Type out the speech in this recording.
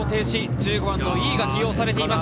１５番の井伊が起用されています。